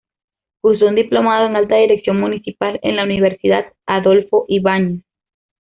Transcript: Cursó un diplomado en Alta Dirección Municipal en la Universidad Adolfo Ibáñez.